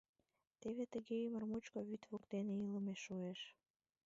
Теве тыге ӱмыр мучко вӱд воктене илыме шуэш.